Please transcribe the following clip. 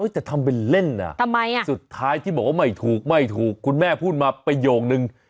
แต่ทำเป็นเล่นสุดท้ายที่บอกว่าไม่ถูกไม่ถูกคุณแม่พูดมาประโยคนึง